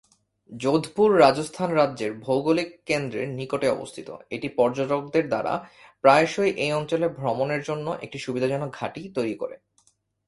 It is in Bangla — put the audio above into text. যোধপুর রাজস্থান রাজ্যের ভৌগোলিক কেন্দ্রের নিকটে অবস্থিত, এটি পর্যটকদের দ্বারা প্রায়শই এই অঞ্চলে ভ্রমণের জন্য একটি সুবিধাজনক ঘাঁটি তৈরি করে।